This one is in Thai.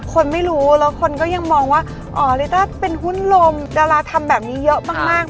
คนไม่รู้แล้วคนก็ยังมองว่าอ๋อลิต้าเป็นหุ้นลมดาราทำแบบนี้เยอะมาก